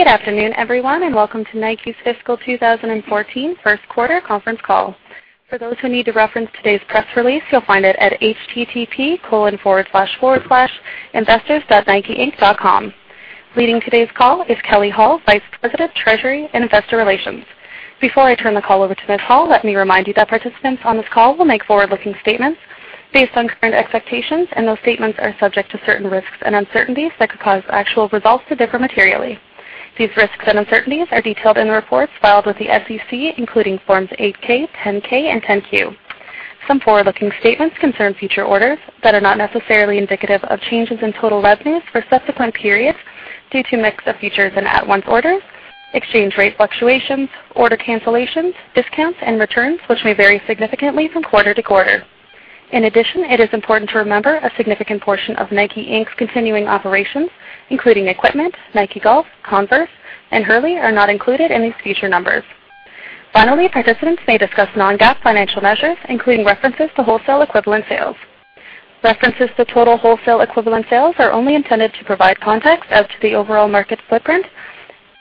Good afternoon, everyone, and welcome to Nike's fiscal 2014 first quarter conference call. For those who need to reference today's press release, you'll find it at http://investors.nikeinc.com. Leading today's call is Kelley Hall, Vice President, Treasury and Investor Relations. Before I turn the call over to Ms. Hall, let me remind you that participants on this call will make forward-looking statements based on current expectations. Those statements are subject to certain risks and uncertainties that could cause actual results to differ materially. These risks and uncertainties are detailed in the reports filed with the SEC, including Forms 8-K, 10-K and 10-Q. Some forward-looking statements concern future orders that are not necessarily indicative of changes in total revenues for subsequent periods due to mix of features and at-once orders, exchange rate fluctuations, order cancellations, discounts, and returns, which may vary significantly from quarter to quarter. In addition, it is important to remember a significant portion of Nike, Inc.'s continuing operations, including equipment, Nike Golf, Converse, and Hurley, are not included in these future numbers. Finally, participants may discuss non-GAAP financial measures, including references to wholesale equivalent sales. References to total wholesale equivalent sales are only intended to provide context as to the overall market footprint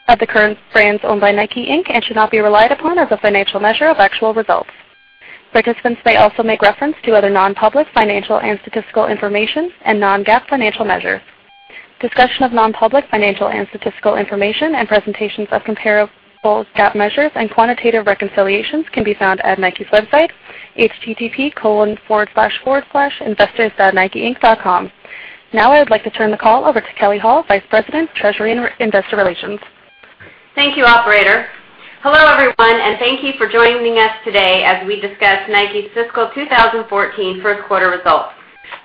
of the current brands owned by Nike, Inc. and should not be relied upon as a financial measure of actual results. Participants may also make reference to other non-public financial and statistical information and non-GAAP financial measures. Discussion of non-public financial and statistical information and presentations of comparable GAAP measures and quantitative reconciliations can be found at Nike's website, http://investors.nikeinc.com. Now, I would like to turn the call over to Kelley Hall, Vice President, Treasury and Investor Relations. Thank you, operator. Hello, everyone, and thank you for joining us today as we discuss Nike's fiscal 2014 first quarter results.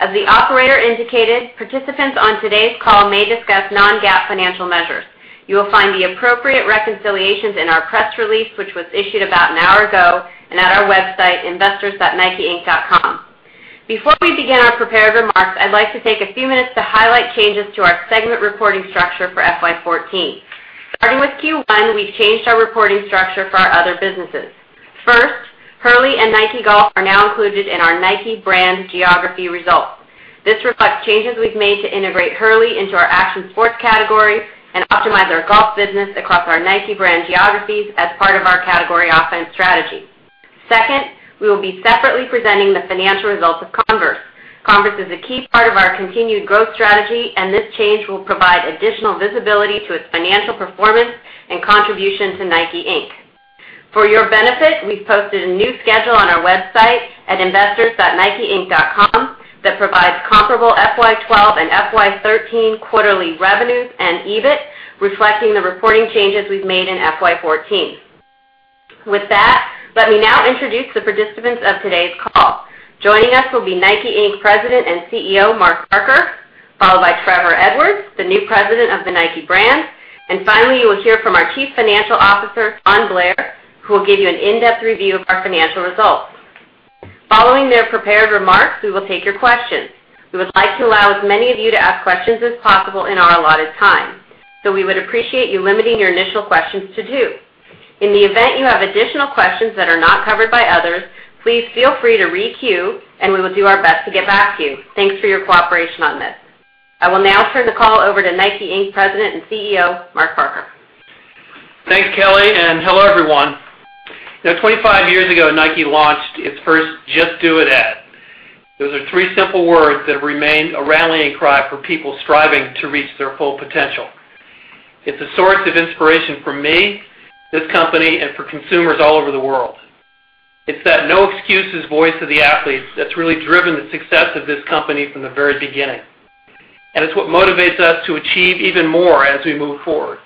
As the operator indicated, participants on today's call may discuss non-GAAP financial measures. You will find the appropriate reconciliations in our press release, which was issued about an hour ago, and at our website, investors.nikeinc.com. Before we begin our prepared remarks, I'd like to take a few minutes to highlight changes to our segment reporting structure for FY14. Starting with Q1, we've changed our reporting structure for our other businesses. First, Hurley and Nike Golf are now included in our Nike brand geography results. This reflects changes we've made to integrate Hurley into our action sports category and optimize our golf business across our Nike brand geographies as part of our category offense strategy. Second, we will be separately presenting the financial results of Converse. Converse is a key part of our continued growth strategy. This change will provide additional visibility to its financial performance and contribution to Nike, Inc. For your benefit, we've posted a new schedule on our website at investors.nikeinc.com that provides comparable FY12 and FY13 quarterly revenues and EBIT reflecting the reporting changes we've made in FY14. With that, let me now introduce the participants of today's call. Joining us will be Nike, Inc. President and CEO, Mark Parker, followed by Trevor Edwards, the new President of the Nike brand. Finally, you will hear from our Chief Financial Officer, Don Blair, who will give you an in-depth review of our financial results. Following their prepared remarks, we will take your questions. We would like to allow as many of you to ask questions as possible in our allotted time, so we would appreciate you limiting your initial questions to two. In the event you have additional questions that are not covered by others, please feel free to re-queue, and we will do our best to get back to you. Thanks for your cooperation on this. I will now turn the call over to Nike, Inc. President and CEO, Mark Parker. Thanks, Kelley, and hello, everyone. 25 years ago, Nike launched its first "Just Do It" ad. Those are three simple words that have remained a rallying cry for people striving to reach their full potential. It's a source of inspiration for me, this company, and for consumers all over the world. It's that no-excuses voice to the athletes that's really driven the success of this company from the very beginning, and it's what motivates us to achieve even more as we move forward.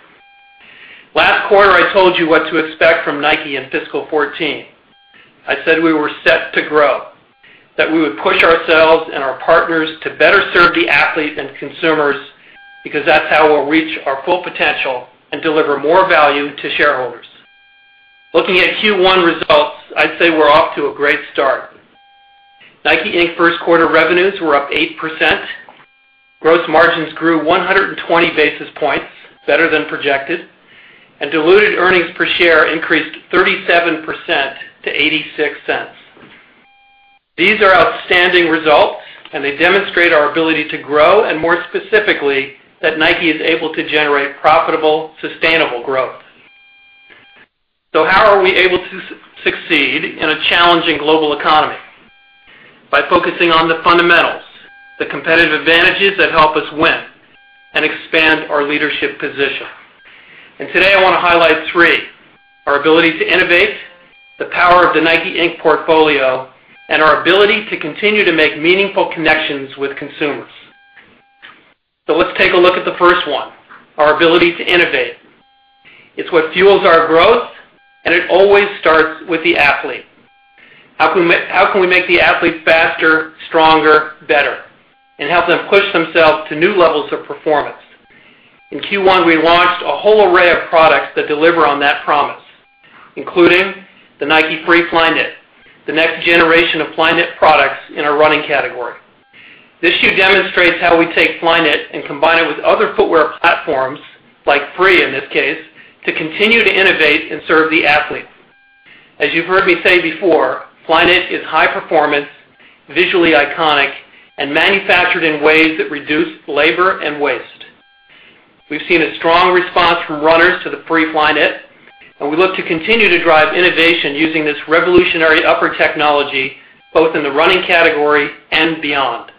Last quarter, I told you what to expect from Nike in fiscal 2014. I said we were set to grow, that we would push ourselves and our partners to better serve the athlete and consumers because that's how we'll reach our full potential and deliver more value to shareholders. Looking at Q1 results, I'd say we're off to a great start. Nike, Inc. first-quarter revenues were up 8%, gross margins grew 120 basis points, better than projected, and diluted earnings per share increased 37% to $0.86. These are outstanding results, and they demonstrate our ability to grow, and more specifically, that Nike is able to generate profitable, sustainable growth. How are we able to succeed in a challenging global economy? By focusing on the fundamentals, the competitive advantages that help us win and expand our leadership position. Today, I want to highlight three, our ability to innovate, the power of the Nike, Inc. portfolio, and our ability to continue to make meaningful connections with consumers. Let's take a look at the first one, our ability to innovate. It's what fuels our growth, and it always starts with the athlete. How can we make the athlete faster, stronger, better, and help them push themselves to new levels of performance? In Q1, we launched a whole array of products that deliver on that promise, including the Nike Free Flyknit, the next generation of Flyknit products in our running category. This shoe demonstrates how we take Flyknit and combine it with other footwear platforms, like Free in this case, to continue to innovate and serve the athlete. As you've heard me say before, Flyknit is high performance, visually iconic, and manufactured in ways that reduce labor and waste. We've seen a strong response from runners to the Free Flyknit, and we look to continue to drive innovation using this revolutionary upper technology, both in the running category and beyond.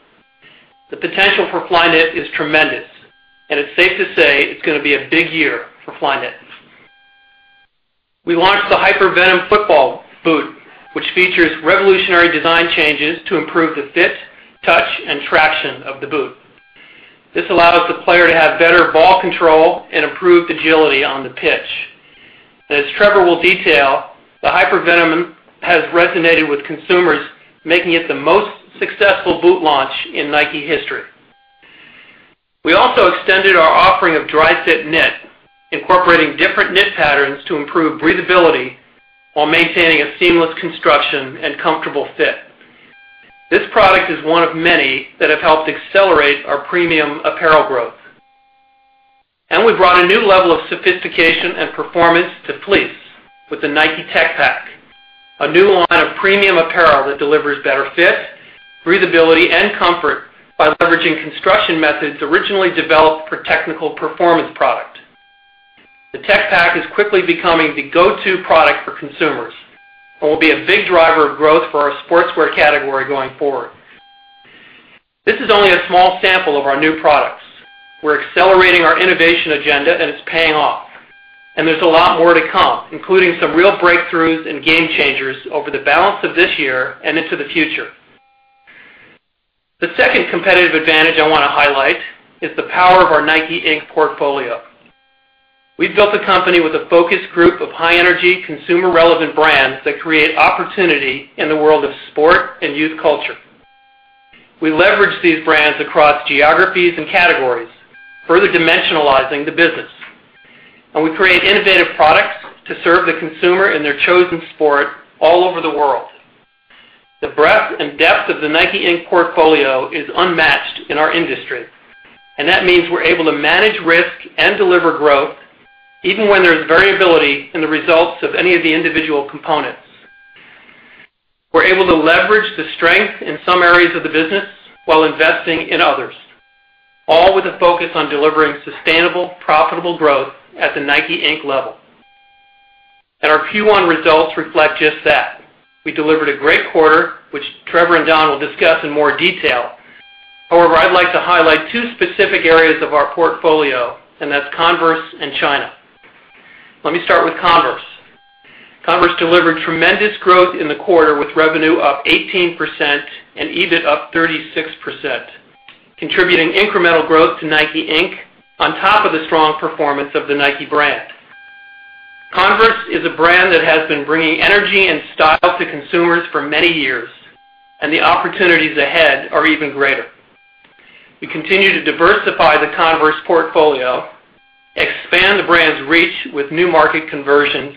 The potential for Flyknit is tremendous, and it's safe to say it's going to be a big year for Flyknit. We launched the Hypervenom football boot, which features revolutionary design changes to improve the fit, touch, and traction of the boot. This allows the player to have better ball control and improved agility on the pitch. As Trevor will detail, the Hypervenom has resonated with consumers, making it the most successful boot launch in Nike history. We also extended our offering of Dri-FIT Knit, incorporating different knit patterns to improve breathability while maintaining a seamless construction and comfortable fit. This product is one of many that have helped accelerate our premium apparel growth. We brought a new level of sophistication and performance to fleece with the Nike Tech Pack, a new line of premium apparel that delivers better fit, breathability, and comfort by leveraging construction methods originally developed for technical performance product. The Tech Pack is quickly becoming the go-to product for consumers and will be a big driver of growth for our sportswear category going forward. This is only a small sample of our new products. We're accelerating our innovation agenda, and it's paying off. There's a lot more to come, including some real breakthroughs and game changers over the balance of this year and into the future. The second competitive advantage I want to highlight is the power of our Nike Inc. portfolio. We've built a company with a focused group of high-energy, consumer-relevant brands that create opportunity in the world of sport and youth culture. We leverage these brands across geographies and categories, further dimensionalizing the business. We create innovative products to serve the consumer in their chosen sport all over the world. The breadth and depth of the Nike Inc. portfolio is unmatched in our industry, and that means we're able to manage risk and deliver growth, even when there's variability in the results of any of the individual components. We're able to leverage the strength in some areas of the business while investing in others, all with a focus on delivering sustainable, profitable growth at the Nike Inc. level. Our Q1 results reflect just that. We delivered a great quarter, which Trevor and Don will discuss in more detail. However, I'd like to highlight two specific areas of our portfolio, and that's Converse and China. Let me start with Converse. Converse delivered tremendous growth in the quarter, with revenue up 18% and EBIT up 36%, contributing incremental growth to Nike Inc. on top of the strong performance of the Nike brand. Converse is a brand that has been bringing energy and style to consumers for many years, and the opportunities ahead are even greater. We continue to diversify the Converse portfolio, expand the brand's reach with new market conversions,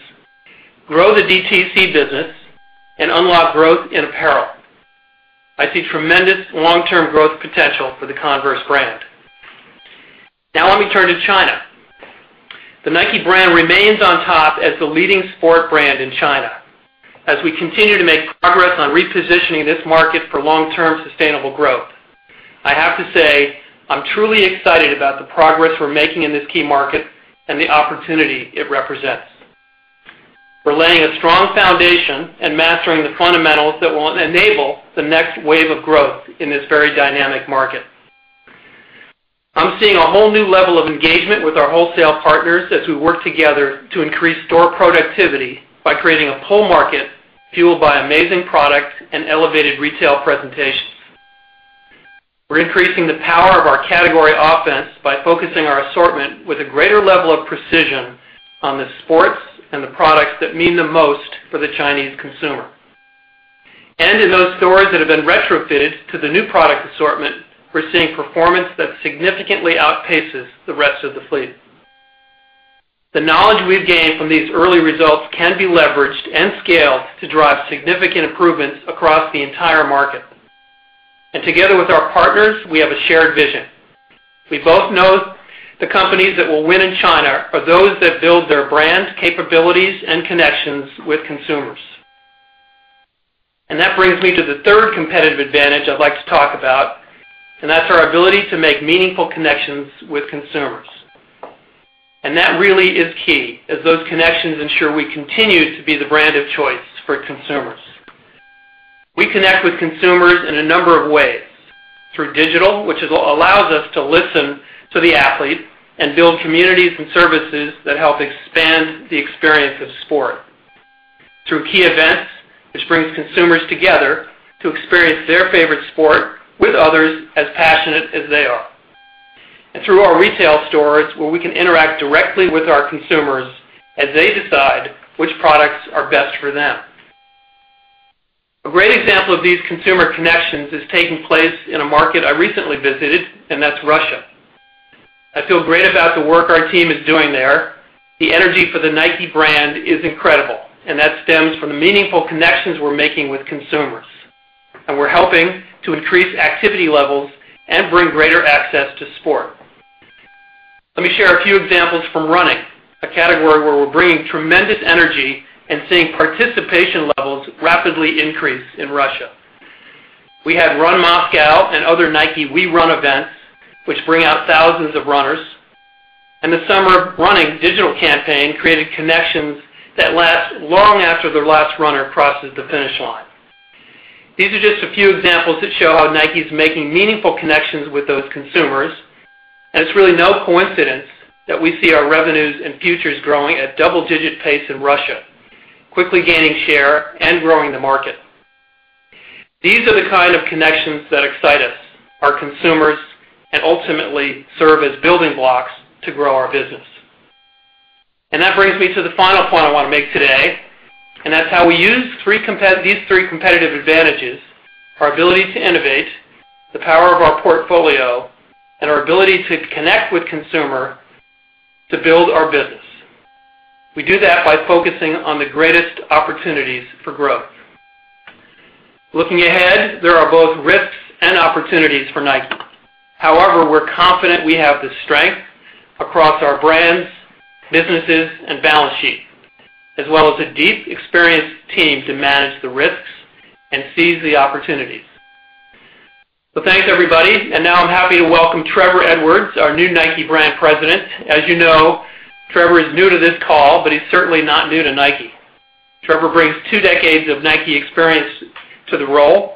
grow the DTC business, and unlock growth in apparel. I see tremendous long-term growth potential for the Converse brand. Now let me turn to China. The Nike brand remains on top as the leading sport brand in China. As we continue to make progress on repositioning this market for long-term sustainable growth, I have to say I'm truly excited about the progress we're making in this key market and the opportunity it represents. We're laying a strong foundation and mastering the fundamentals that will enable the next wave of growth in this very dynamic market. I'm seeing a whole new level of engagement with our wholesale partners as we work together to increase store productivity by creating a pull market fueled by amazing products and elevated retail presentations. We're increasing the power of our category offense by focusing our assortment with a greater level of precision on the sports and the products that mean the most for the Chinese consumer. In those stores that have been retrofitted to the new product assortment, we're seeing performance that significantly outpaces the rest of the fleet. The knowledge we've gained from these early results can be leveraged and scaled to drive significant improvements across the entire market. Together with our partners, we have a shared vision. We both know the companies that will win in China are those that build their brands, capabilities, and connections with consumers. That brings me to the third competitive advantage I'd like to talk about, and that's our ability to make meaningful connections with consumers. That really is key, as those connections ensure we continue to be the brand of choice for consumers. We connect with consumers in a number of ways; through digital, which allows us to listen to the athlete and build communities and services that help expand the experience of sport. Through key events, which brings consumers together to experience their favorite sport with others as passionate as they are. Through our retail stores, where we can interact directly with our consumers as they decide which products are best for them. A great example of these consumer connections is taking place in a market I recently visited, and that's Russia. I feel great about the work our team is doing there. The energy for the Nike brand is incredible, and that stems from the meaningful connections we're making with consumers. We're helping to increase activity levels and bring greater access to sport. Let me share a few examples from running, a category where we're bringing tremendous energy and seeing participation levels rapidly increase in Russia. We had Run Moscow and other Nike We Run events, which bring out thousands of runners, and the Summer of Running digital campaign created connections that last long after the last runner crosses the finish line. These are just a few examples that show how Nike's making meaningful connections with those consumers, and it's really no coincidence that we see our revenues and futures growing at double-digit pace in Russia, quickly gaining share and growing the market. These are the kind of connections that excite us, our consumers, and ultimately serve as building blocks to grow our business. That brings me to the final point I want to make today, and that's how we use these three competitive advantages, our ability to innovate, the power of our portfolio, and our ability to connect with consumer to build our business. We do that by focusing on the greatest opportunities for growth. Looking ahead, there are both risks and opportunities for Nike. However, we're confident we have the strength across our brands, businesses, and balance sheet, as well as a deep, experienced team to manage the risks and seize the opportunities. Thanks, everybody. Now I'm happy to welcome Trevor Edwards, our new Nike Brand President. As you know, Trevor is new to this call, but he's certainly not new to Nike. Trevor brings two decades of Nike experience to the role,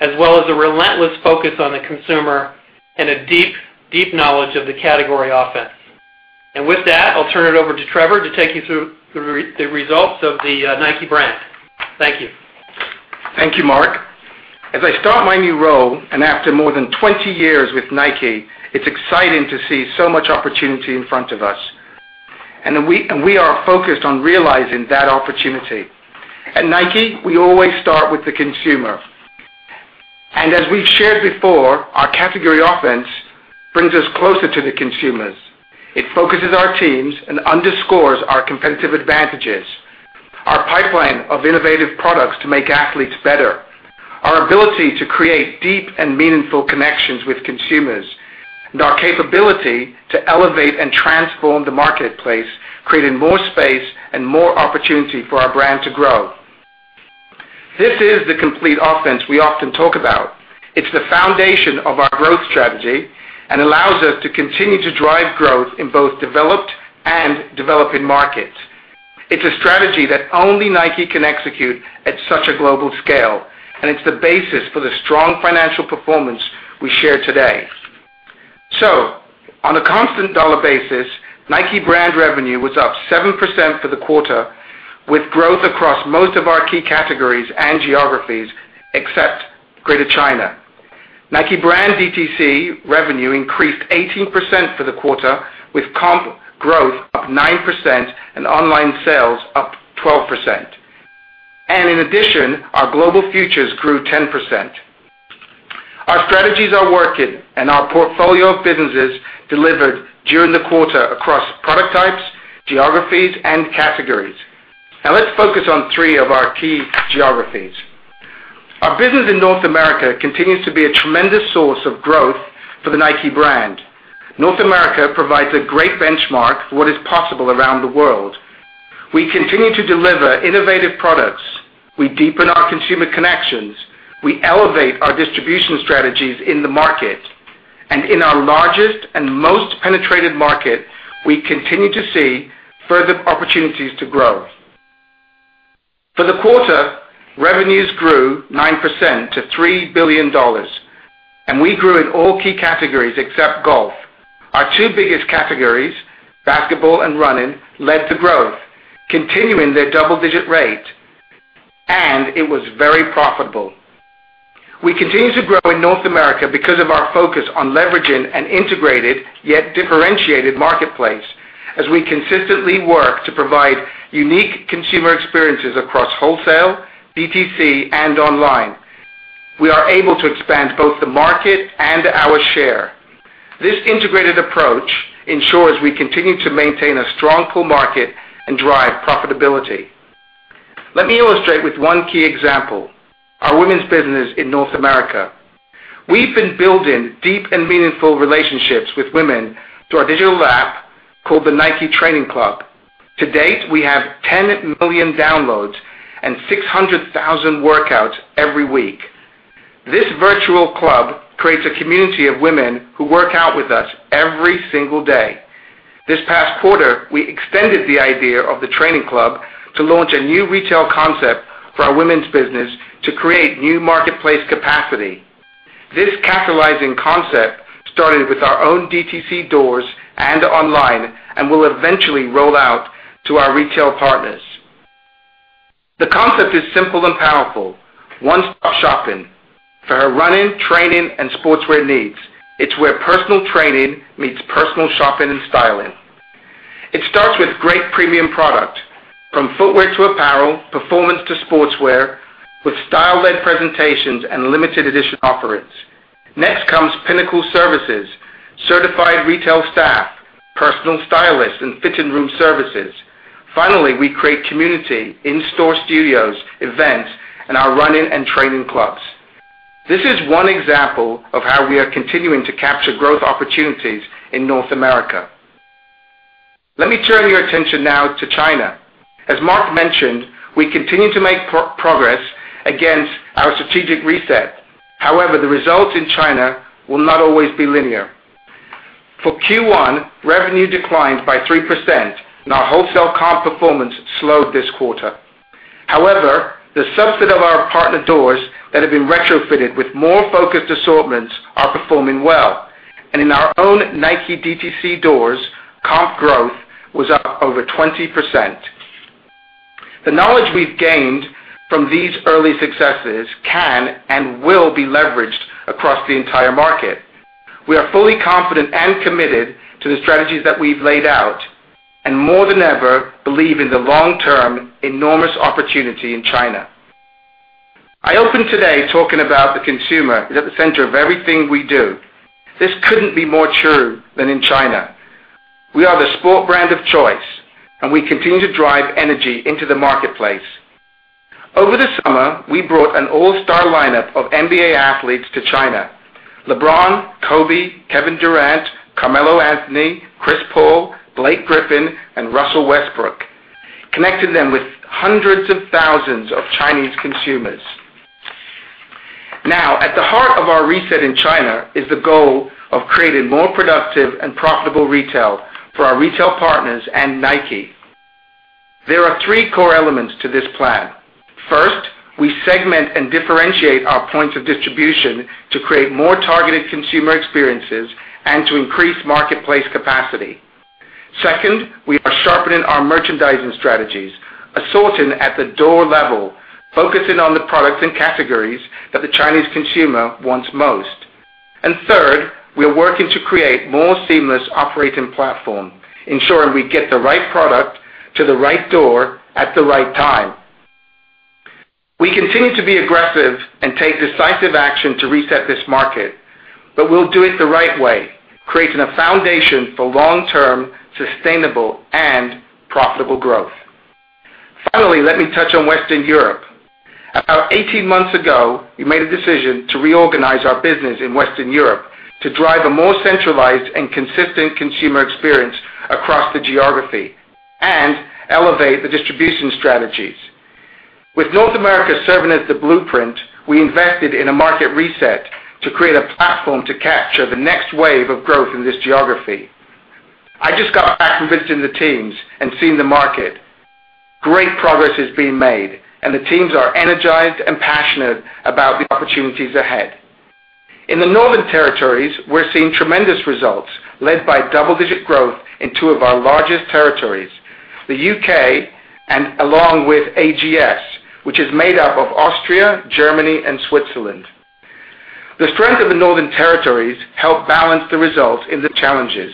as well as a relentless focus on the consumer and a deep knowledge of the category offense. With that, I'll turn it over to Trevor to take you through the results of the Nike brand. Thank you. Thank you, Mark. As I start my new role, after more than 20 years with Nike, it's exciting to see so much opportunity in front of us. We are focused on realizing that opportunity. At Nike, we always start with the consumer. As we've shared before, our category offense brings us closer to the consumers. It focuses our teams and underscores our competitive advantages, our pipeline of innovative products to make athletes better, our ability to create deep and meaningful connections with consumers, and our capability to elevate and transform the marketplace, creating more space and more opportunity for our brand to grow. This is the complete offense we often talk about. It's the foundation of our growth strategy and allows us to continue to drive growth in both developed and developing markets. It's a strategy that only Nike can execute at such a global scale, and it's the basis for the strong financial performance we share today. On a constant dollar basis, Nike brand revenue was up 7% for the quarter, with growth across most of our key categories and geographies, except Greater China. Nike brand DTC revenue increased 18% for the quarter, with comp growth up 9% and online sales up 12%. In addition, our global futures grew 10%. Our strategies are working and our portfolio of businesses delivered during the quarter across product types, geographies, and categories. Let's focus on three of our key geographies. Our business in North America continues to be a tremendous source of growth for the Nike brand. North America provides a great benchmark for what is possible around the world. We continue to deliver innovative products. We deepen our consumer connections. We elevate our distribution strategies in the market. In our largest and most penetrated market, we continue to see further opportunities to grow. For the quarter, revenues grew 9% to $3 billion, and we grew in all key categories except golf. Our two biggest categories, basketball and running, led to growth, continuing their double-digit rate, and it was very profitable. We continue to grow in North America because of our focus on leveraging an integrated yet differentiated marketplace. As we consistently work to provide unique consumer experiences across wholesale, DTC, and online. We are able to expand both the market and our share. This integrated approach ensures we continue to maintain a strong pull market and drive profitability. Let me illustrate with one key example, our women's business in North America. We've been building deep and meaningful relationships with women through our digital app called the Nike Training Club. To date, we have 10 million downloads and 600,000 workouts every week. This virtual club creates a community of women who work out with us every single day. This past quarter, we extended the idea of the Nike Training Club to launch a new retail concept for our women's business to create new marketplace capacity. This catalyzing concept started with our own DTC doors and online and will eventually roll out to our retail partners. The concept is simple and powerful. One-stop shopping for her running, training, and sportswear needs. It's where personal training meets personal shopping and styling. It starts with great premium product, from footwear to apparel, performance to sportswear, with style-led presentations and limited-edition offerings. Next comes pinnacle services, certified retail staff, personal stylists, and fitting room services. Finally, we create community in-store studios, events, and our running and training clubs. This is one example of how we are continuing to capture growth opportunities in North America. Let me turn your attention now to China. As Mark mentioned, we continue to make progress against our strategic reset. However, the results in China will not always be linear. For Q1, revenue declined by 3%, and our wholesale comp performance slowed this quarter. However, the subset of our partner doors that have been retrofitted with more focused assortments are performing well. In our own Nike DTC doors, comp growth was up over 20%. The knowledge we've gained from these early successes can and will be leveraged across the entire market. We are fully confident and committed to the strategies that we've laid out, and more than ever, believe in the long-term enormous opportunity in China. I opened today talking about the consumer is at the center of everything we do. This couldn't be more true than in China. We are the sport brand of choice, and we continue to drive energy into the marketplace. Over the summer, we brought an all-star lineup of NBA athletes to China. LeBron, Kobe, Kevin Durant, Carmelo Anthony, Chris Paul, Blake Griffin, and Russell Westbrook, connecting them with hundreds of thousands of Chinese consumers. At the heart of our reset in China is the goal of creating more productive and profitable retail for our retail partners and Nike. There are three core elements to this plan. First, we segment and differentiate our points of distribution to create more targeted consumer experiences and to increase marketplace capacity. Second, we are sharpening our merchandising strategies, assorting at the door level, focusing on the products and categories that the Chinese consumer wants most. Third, we are working to create more seamless operating platform, ensuring we get the right product to the right door at the right time. We continue to be aggressive and take decisive action to reset this market, but we'll do it the right way, creating a foundation for long-term, sustainable, and profitable growth. Finally, let me touch on Western Europe. About 18 months ago, we made a decision to reorganize our business in Western Europe to drive a more centralized and consistent consumer experience across the geography and elevate the distribution strategies. With North America serving as the blueprint, we invested in a market reset to create a platform to capture the next wave of growth in this geography. I just got back from visiting the teams and seeing the market. Great progress is being made, and the teams are energized and passionate about the opportunities ahead. In the Northern Territories, we are seeing tremendous results, led by double-digit growth in two of our largest territories, the U.K. and along with AGS, which is made up of Austria, Germany, and Switzerland. The strength of the Northern Territories help balance the results in the challenges.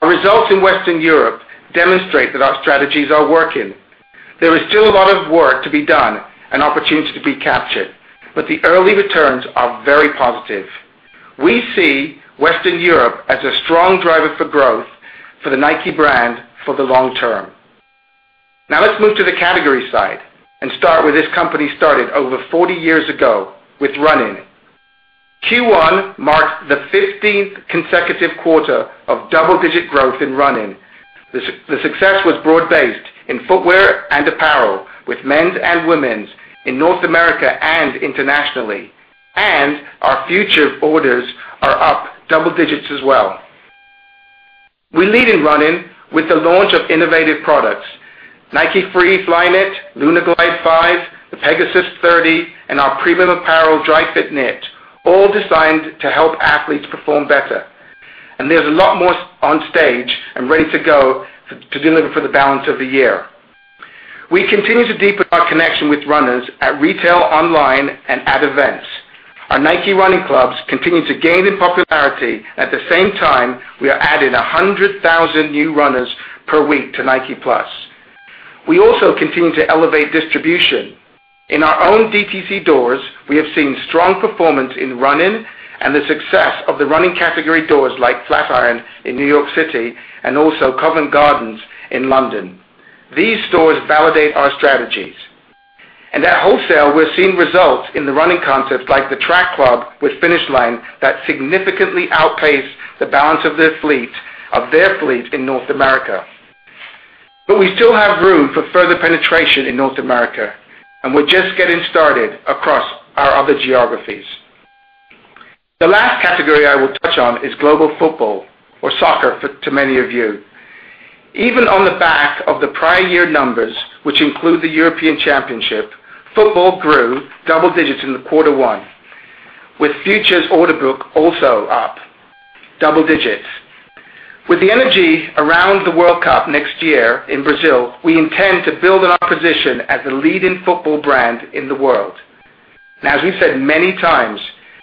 Our results in Western Europe demonstrate that our strategies are working. There is still a lot of work to be done and opportunities to be captured. The early returns are very positive. We see Western Europe as a strong driver for growth for the Nike brand for the long term. Let's move to the category side and start where this company started over 40 years ago with running. Q1 marked the 15th consecutive quarter of double-digit growth in running. The success was broad-based in footwear and apparel with men's and women's in North America and internationally. Our future orders are up double digits as well. We lead in running with the launch of innovative products, Nike Free Flyknit, LunarGlide 5, the Pegasus 30, and our premium apparel, Dri-FIT Knit, all designed to help athletes perform better. There is a lot more on stage and ready to go to deliver for the balance of the year. We continue to deepen our connection with runners at retail, online, and at events. Our Nike Running clubs continue to gain in popularity. At the same time, we are adding 100,000 new runners per week to Nike+. We also continue to elevate distribution. In our own DTC doors, we have seen strong performance in running and the success of the running category doors like Flatiron in New York City and also Covent Garden in London. These stores validate our strategies. At wholesale, we are seeing results in the running concepts like the Track Club with Finish Line that significantly outpace the balance of their fleet in North America. We still have room for further penetration in North America, and we are just getting started across our other geographies. The last category I will touch is global football or soccer to many of you. Even on the back of the prior year numbers, which include the European Championship, football grew double digits in the quarter one, with futures order book also up double digits. With the energy around the World Cup next year in Brazil, we intend to build on our position as the leading football brand in the world. As we have said many times,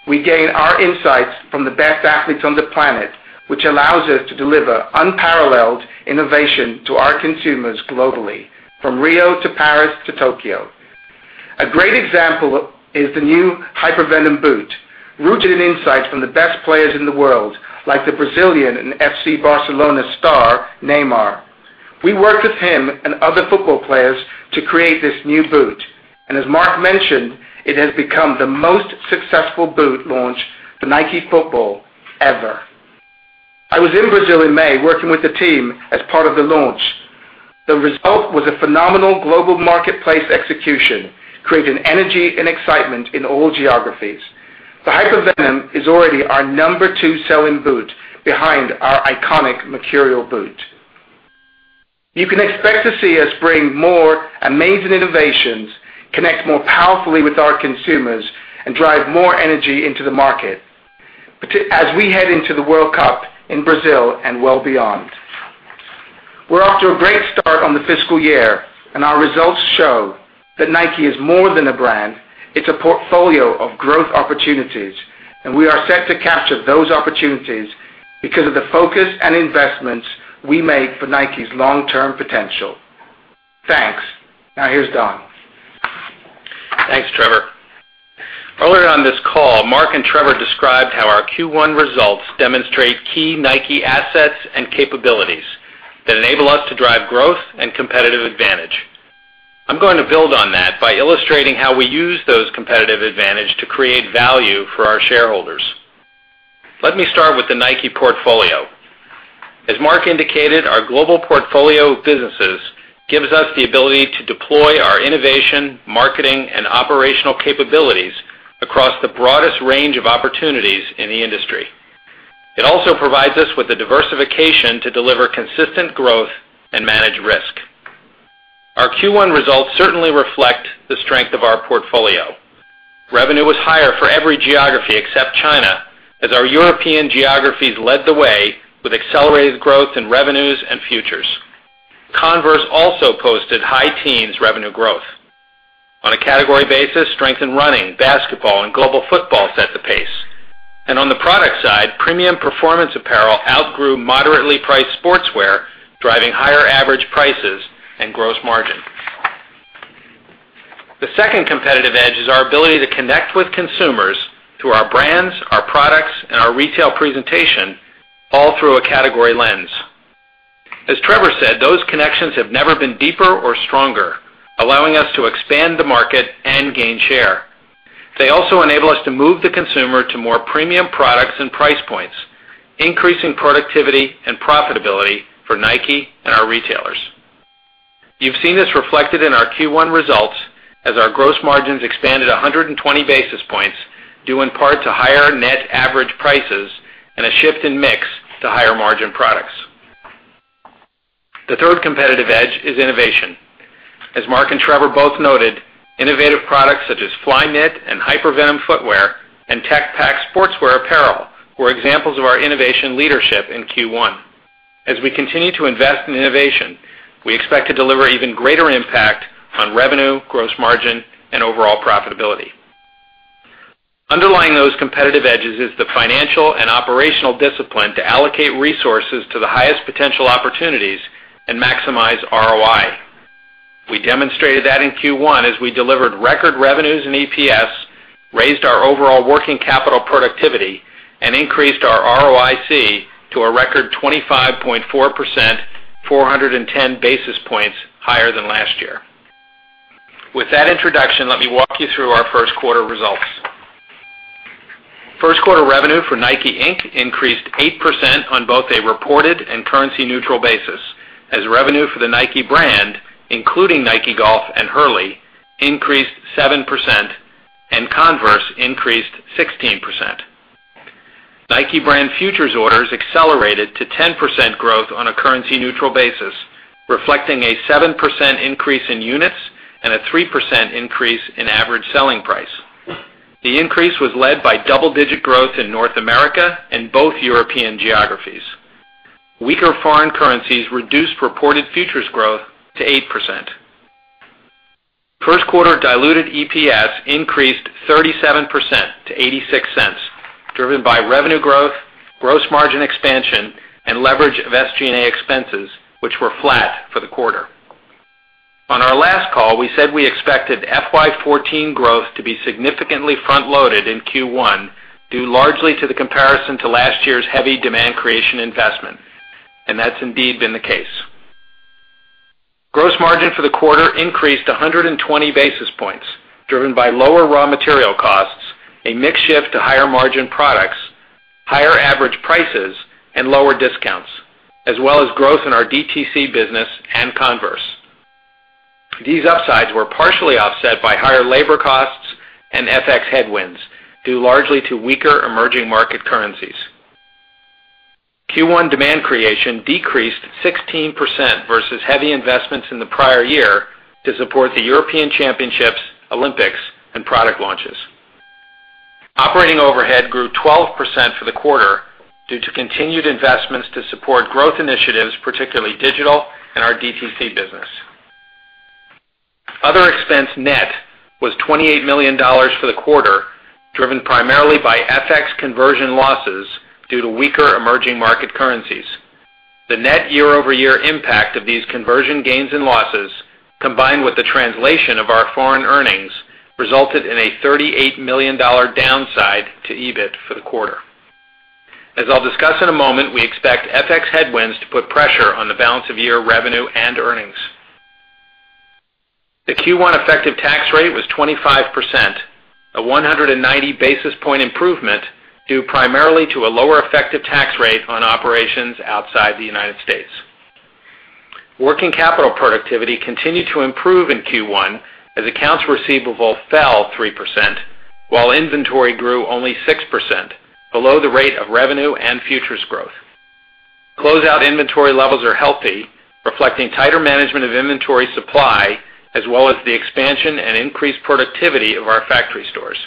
we gain our insights from the best athletes on the planet, which allows us to deliver unparalleled innovation to our consumers globally, from Rio to Paris to Tokyo. A great example is the new Hypervenom boot. Rooted in insights from the best players in the world, like the Brazilian and FC Barcelona star, Neymar. We worked with him and other football players to create this new boot. As Mark mentioned, it has become the most successful boot launch for Nike Football ever. I was in Brazil in May working with the team as part of the launch. The result was a phenomenal global marketplace execution, creating energy and excitement in all geographies. The Hypervenom is already our number 2 selling boot behind our iconic Mercurial boot. You can expect to see us bring more amazing innovations, connect more powerfully with our consumers, and drive more energy into the market, as we head into the World Cup in Brazil and well beyond. We're off to a great start on the fiscal year, and our results show that Nike is more than a brand. It's a portfolio of growth opportunities, and we are set to capture those opportunities because of the focus and investments we made for Nike's long-term potential. Thanks. Now, here's Don. Thanks, Trevor. Earlier on this call, Mark and Trevor described how our Q1 results demonstrate key Nike assets and capabilities that enable us to drive growth and competitive advantage. I'm going to build on that by illustrating how we use those competitive advantage to create value for our shareholders. Let me start with the Nike portfolio. As Mark indicated, our global portfolio of businesses gives us the ability to deploy our innovation, marketing, and operational capabilities across the broadest range of opportunities in the industry. It also provides us with the diversification to deliver consistent growth and manage risk. Our Q1 results certainly reflect the strength of our portfolio. Revenue was higher for every geography except China, as our European geographies led the way with accelerated growth in revenues and futures. Converse also posted high teens revenue growth. On a category basis, strength in running, basketball, and global football set the pace. On the product side, premium performance apparel outgrew moderately priced sportswear, driving higher average prices and gross margin. The second competitive edge is our ability to connect with consumers through our brands, our products, and our retail presentation all through a category lens. As Trevor said, those connections have never been deeper or stronger, allowing us to expand the market and gain share. They also enable us to move the consumer to more premium products and price points, increasing productivity and profitability for Nike and our retailers. You've seen this reflected in our Q1 results as our gross margins expanded 120 basis points, due in part to higher net average prices and a shift in mix to higher margin products. The third competitive edge is innovation. As Mark and Trevor both noted, innovative products such as Flyknit and Hypervenom footwear and Tech Pack sportswear apparel were examples of our innovation leadership in Q1. As we continue to invest in innovation, we expect to deliver even greater impact on revenue, gross margin, and overall profitability. Underlying those competitive edges is the financial and operational discipline to allocate resources to the highest potential opportunities and maximize ROI. We demonstrated that in Q1 as we delivered record revenues and EPS, raised our overall working capital productivity, and increased our ROIC to a record 25.4%, 410 basis points higher than last year. With that introduction, let me walk you through our first quarter results. First quarter revenue for Nike, Inc. increased 8% on both a reported and currency neutral basis, as revenue for the Nike brand, including Nike Golf and Hurley, increased 7% and Converse increased 16%. Nike brand futures orders accelerated to 10% growth on a currency-neutral basis, reflecting a 7% increase in units and a 3% increase in average selling price. The increase was led by double-digit growth in North America and both European geographies. Weaker foreign currencies reduced reported futures growth to 8%. First quarter diluted EPS increased 37% to $0.86, driven by revenue growth, gross margin expansion, and leverage of SG&A expenses, which were flat for the quarter. On our last call, we said we expected FY14 growth to be significantly front-loaded in Q1 due largely to the comparison to last year's heavy demand creation investment. That's indeed been the case. Gross margin for the quarter increased 120 basis points, driven by lower raw material costs, a mix shift to higher margin products, higher average prices, and lower discounts, as well as growth in our DTC business and Converse. These upsides were partially offset by higher labor costs and FX headwinds, due largely to weaker emerging market currencies. Q1 demand creation decreased 16% versus heavy investments in the prior year to support the European Championships, Olympics, and product launches. Operating overhead grew 12% for the quarter due to continued investments to support growth initiatives, particularly digital and our DTC business. Other expense net was $28 million for the quarter, driven primarily by FX conversion losses due to weaker emerging market currencies. The net year-over-year impact of these conversion gains and losses, combined with the translation of our foreign earnings, resulted in a $38 million downside to EBIT for the quarter. As I'll discuss in a moment, we expect FX headwinds to put pressure on the balance of year revenue and earnings. The Q1 effective tax rate was 25%, a 190 basis point improvement due primarily to a lower effective tax rate on operations outside the United States. Working capital productivity continued to improve in Q1 as accounts receivable fell 3%, while inventory grew only 6%, below the rate of revenue and futures growth. Closeout inventory levels are healthy, reflecting tighter management of inventory supply, as well as the expansion and increased productivity of our factory stores.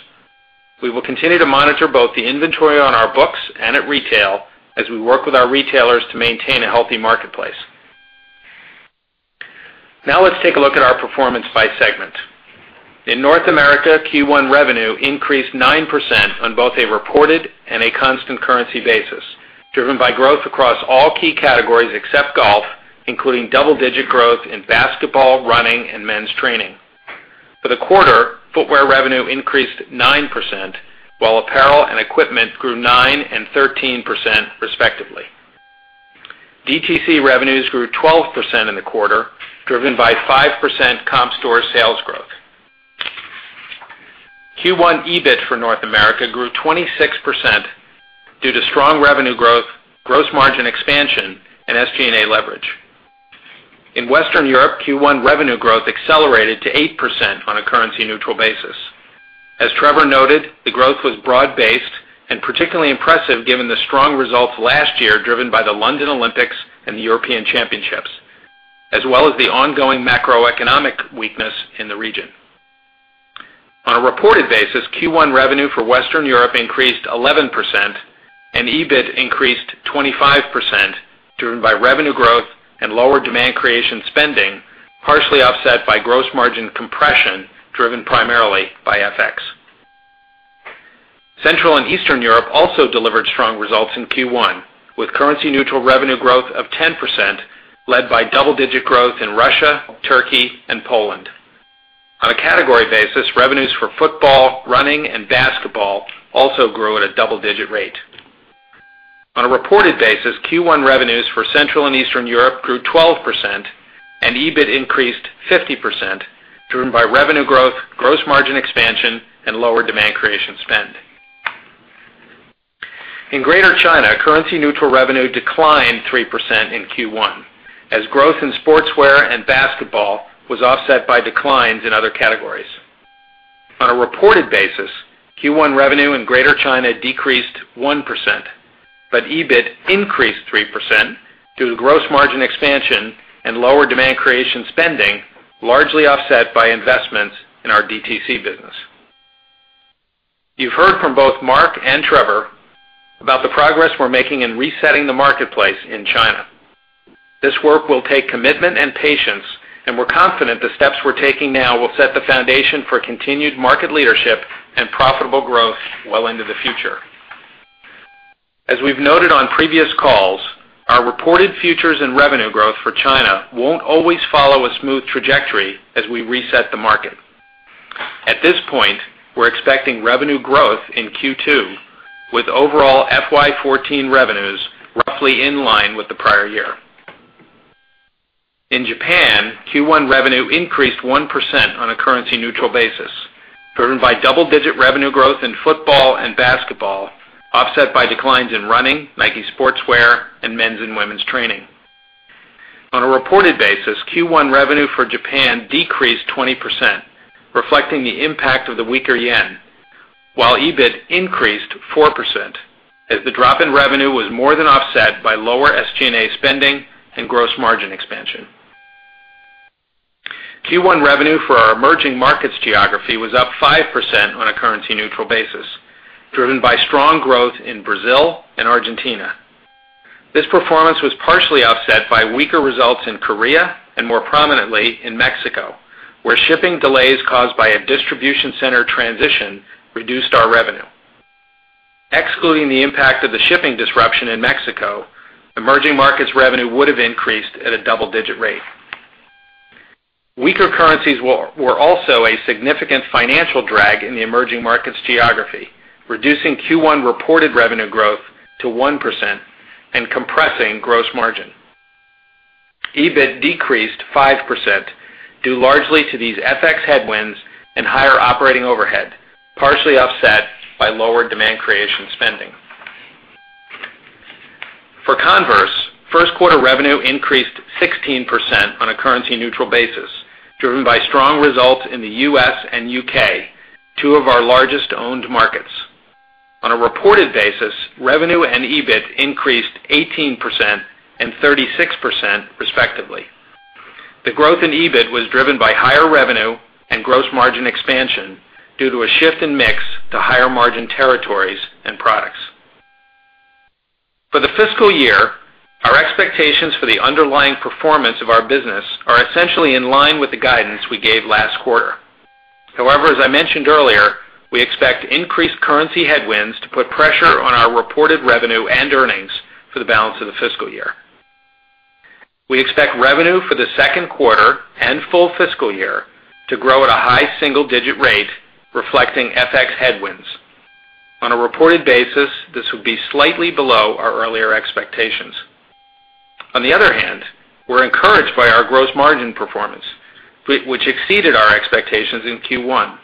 We will continue to monitor both the inventory on our books and at retail as we work with our retailers to maintain a healthy marketplace. Now let's take a look at our performance by segment. In North America, Q1 revenue increased 9% on both a reported and a constant currency basis, driven by growth across all key categories except golf, including double-digit growth in basketball, running, and men's training. For the quarter, footwear revenue increased 9%, while apparel and equipment grew 9% and 13%, respectively. DTC revenues grew 12% in the quarter, driven by 5% comp store sales growth. Q1 EBIT for North America grew 26% due to strong revenue growth, gross margin expansion, and SG&A leverage. In Western Europe, Q1 revenue growth accelerated to 8% on a currency-neutral basis. As Trevor noted, the growth was broad-based and particularly impressive given the strong results last year driven by the London Olympics and the European Championships, as well as the ongoing macroeconomic weakness in the region. On a reported basis, Q1 revenue for Western Europe increased 11%, and EBIT increased 25%, driven by revenue growth and lower demand creation spending, partially offset by gross margin compression, driven primarily by FX. Central and Eastern Europe also delivered strong results in Q1, with currency-neutral revenue growth of 10%, led by double-digit growth in Russia, Turkey, and Poland. On a category basis, revenues for football, running, and basketball also grew at a double-digit rate. On a reported basis, Q1 revenues for Central and Eastern Europe grew 12%. EBIT increased 50%, driven by revenue growth, gross margin expansion, and lower demand creation spend. In Greater China, currency-neutral revenue declined 3% in Q1 as growth in sportswear and basketball was offset by declines in other categories. On a reported basis, Q1 revenue in Greater China decreased 1%. EBIT increased 3% due to gross margin expansion and lower demand creation spending, largely offset by investments in our DTC business. You've heard from both Mark and Trevor about the progress we're making in resetting the marketplace in China. This work will take commitment and patience. We're confident the steps we're taking now will set the foundation for continued market leadership and profitable growth well into the future. As we've noted on previous calls, our reported futures and revenue growth for China won't always follow a smooth trajectory as we reset the market. At this point, we're expecting revenue growth in Q2, with overall FY14 revenues roughly in line with the prior year. In Japan, Q1 revenue increased 1% on a currency-neutral basis, driven by double-digit revenue growth in football and basketball, offset by declines in running, Nike Sportswear, and men's and women's training. On a reported basis, Q1 revenue for Japan decreased 20%, reflecting the impact of the weaker yen, while EBIT increased 4% as the drop in revenue was more than offset by lower SG&A spending and gross margin expansion. Q1 revenue for our emerging markets geography was up 5% on a currency-neutral basis, driven by strong growth in Brazil and Argentina. This performance was partially offset by weaker results in Korea and, more prominently, in Mexico, where shipping delays caused by a distribution center transition reduced our revenue. Excluding the impact of the shipping disruption in Mexico, emerging markets revenue would have increased at a double-digit rate. Weaker currencies were also a significant financial drag in the emerging markets geography, reducing Q1 reported revenue growth to 1% and compressing gross margin. EBIT decreased 5%, due largely to these FX headwinds and higher operating overhead, partially offset by lower demand creation spending. For Converse, first quarter revenue increased 16% on a currency-neutral basis, driven by strong results in the U.S. and U.K., two of our largest owned markets. On a reported basis, revenue and EBIT increased 18% and 36%, respectively. The growth in EBIT was driven by higher revenue and gross margin expansion due to a shift in mix to higher-margin territories and products. For the fiscal year, our expectations for the underlying performance of our business are essentially in line with the guidance we gave last quarter. However, as I mentioned earlier, we expect increased currency headwinds to put pressure on our reported revenue and earnings for the balance of the fiscal year. We expect revenue for the second quarter and full fiscal year to grow at a high single-digit rate, reflecting FX headwinds. On a reported basis, this would be slightly below our earlier expectations. On the other hand, we're encouraged by our gross margin performance, which exceeded our expectations in Q1.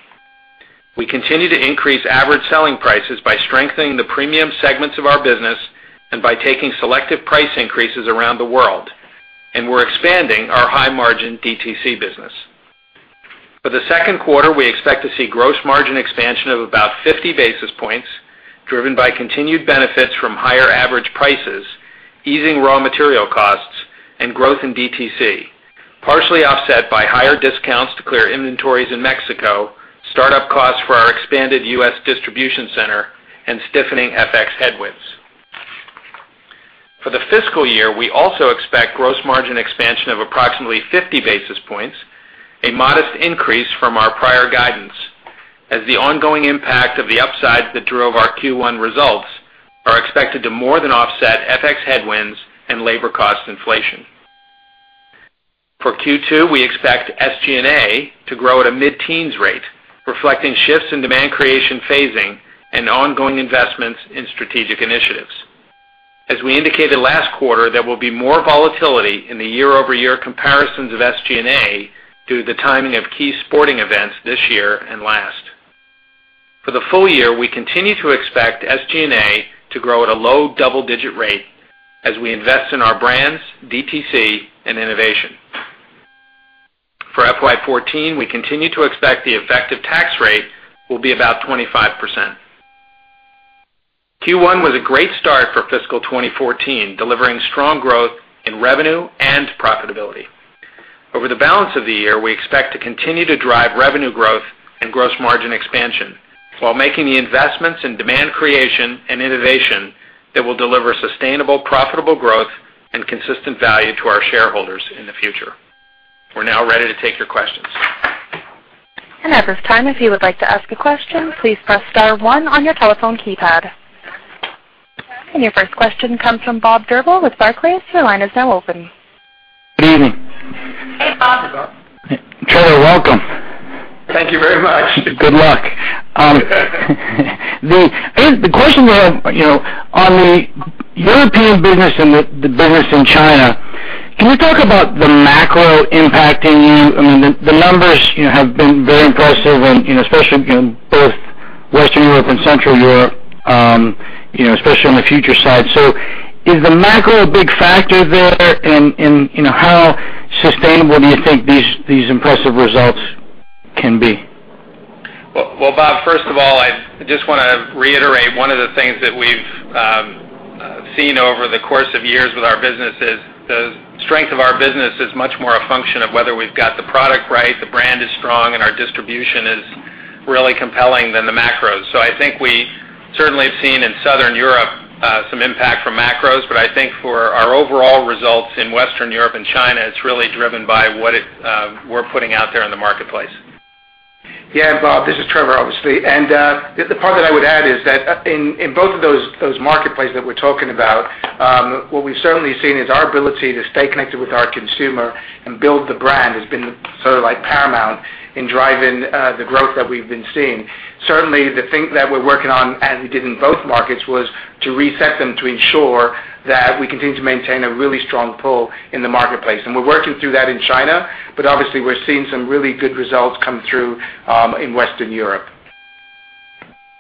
We continue to increase average selling prices by strengthening the premium segments of our business. We're expanding our high-margin DTC business. For the second quarter, we expect to see gross margin expansion of about 50 basis points, driven by continued benefits from higher average prices, easing raw material costs, and growth in DTC, partially offset by higher discounts to clear inventories in Mexico, startup costs for our expanded U.S. distribution center, and stiffening FX headwinds. For the fiscal year, we also expect gross margin expansion of approximately 50 basis points, a modest increase from our prior guidance, as the ongoing impact of the upside that drove our Q1 results are expected to more than offset FX headwinds and labor cost inflation. For Q2, we expect SG&A to grow at a mid-teens rate, reflecting shifts in demand creation phasing and ongoing investments in strategic initiatives. As we indicated last quarter, there will be more volatility in the year-over-year comparisons of SG&A due to the timing of key sporting events this year and last. For the full year, we continue to expect SG&A to grow at a low double-digit rate as we invest in our brands, DTC, and innovation. For FY 2014, we continue to expect the effective tax rate will be about 25%. Q1 was a great start for fiscal 2014, delivering strong growth in revenue and profitability. Over the balance of the year, we expect to continue to drive revenue growth and gross margin expansion while making the investments in demand creation and innovation that will deliver sustainable profitable growth and consistent value to our shareholders in the future. We're now ready to take your questions. At this time, if you would like to ask a question, please press star one on your telephone keypad. Your first question comes from Robert Drbul with Barclays. Your line is now open. Good evening. Hey, Bob. Trevor, welcome. Thank you very much. Good luck. The question on the European business and the business in China, can you talk about the macro impacting you? The numbers have been very impressive, especially in both Western Europe and Central Europe, especially on the future side. Is the macro a big factor there, and how sustainable do you think these impressive results can be? Well, Bob, first of all, I just want to reiterate one of the things that we've seen over the course of years with our business is the strength of our business is much more a function of whether we've got the product right, the brand is strong, and our distribution is really compelling than the macros. I think we certainly have seen in Southern Europe some impact from macros, but I think for our overall results in Western Europe and China, it's really driven by what we're putting out there in the marketplace. Yeah, Bob, this is Trevor, obviously. The part that I would add is that in both of those marketplace that we're talking about, what we've certainly seen is our ability to stay connected with our consumer and build the brand has been sort of paramount in driving the growth that we've been seeing. Certainly, the thing that we're working on, as we did in both markets, was to reset them to ensure that we continue to maintain a really strong pull in the marketplace. We're working through that in China, but obviously, we're seeing some really good results come through in Western Europe.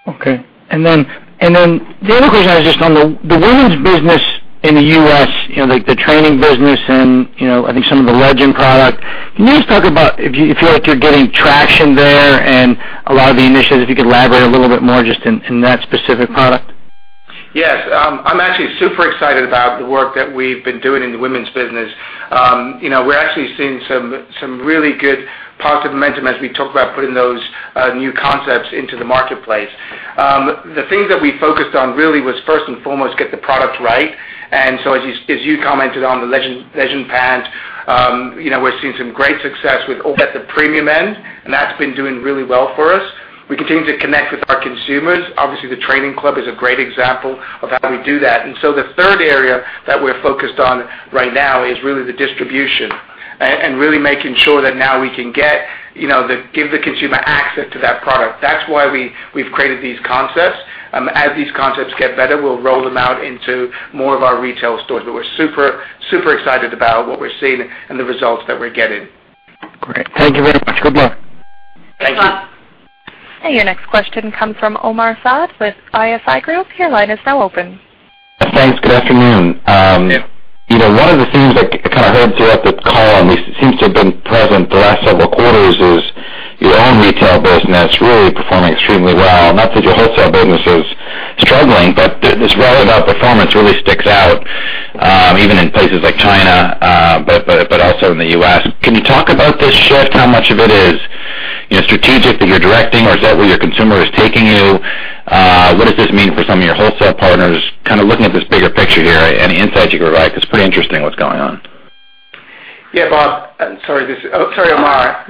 Okay. The other question I had is just on the women's business in the U.S., like the training business and I think some of the Legend product. Can you just talk about if you feel like you're getting traction there and a lot of the initiatives, if you could elaborate a little bit more just in that specific product? Yes. I'm actually super excited about the work that we've been doing in the women's business. We're actually seeing some really good positive momentum as we talk about putting those new concepts into the marketplace. The thing that we focused on really was first and foremost, get the product right. As you commented on the Legend pant, we're seeing some great success with all that the premium end, and that's been doing really well for us. We continue to connect with our consumers. Obviously, the Training Club is a great example of how we do that. The third area that we're focused on right now is really the distribution and really making sure that now we can give the consumer access to that product. That's why we've created these concepts. As these concepts get better, we'll roll them out into more of our retail stores. We're super excited about what we're seeing and the results that we're getting. Great. Thank you very much. Good luck. Thank you. Thanks, Bob. Your next question comes from Omar Saad with ISI Group. Your line is now open. Thanks. Good afternoon. Yeah. One of the things that kind of heard throughout the call, and it seems to have been present the last several quarters, is your own retail business really performing extremely well. Not that your wholesale business is struggling, but this well of out performance really sticks out, even in places like China, but also in the U.S. Can you talk about this shift? How much of it is strategic that you're directing, or is that where your consumer is taking you? What does this mean for some of your wholesale partners? Kind of looking at this bigger picture here, any insights you could provide, because it's pretty interesting what's going on. Yeah, Bob. Sorry, Omar.